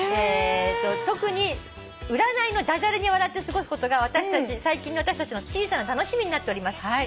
「特に占いの駄じゃれに笑って過ごすことが最近の私たちの小さな楽しみになっております」